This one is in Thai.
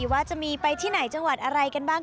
ว่าจะมีไปที่ไหนจังหวัดอะไรกันบ้าง